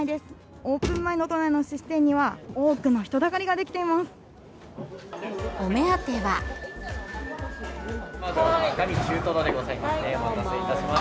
オープン前の都内のすし店には、多くの人だかりが出来ています。